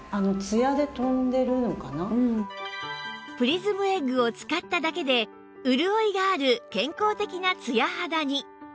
プリズムエッグを使っただけで潤いがある健康的なツヤ肌に！